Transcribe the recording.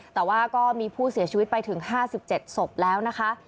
แต่ว่าก็มีผู้เสียชีวิตไปถึง๕๗ศพแล้วนะคะ